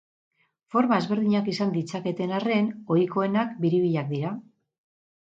Forma ezberdinak izan ditzaketen arren, ohikoenak biribilak dira.